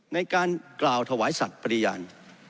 ในการกล่าวถวายสัตว์ปริญญาณ